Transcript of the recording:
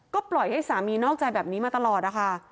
ก็ปล่อยให้สามีนอกใจแบบนี้มาตลอดนะคะ